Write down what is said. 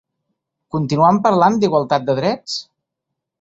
Continuam parlant d'Igualtat de drets?